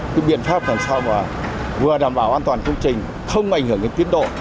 cái biện pháp làm sao mà vừa đảm bảo an toàn công trình không ảnh hưởng đến tiến độ